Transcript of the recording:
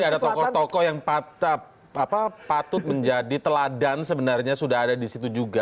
jadi ada tokoh tokoh yang patut menjadi teladan sebenarnya sudah ada di situ juga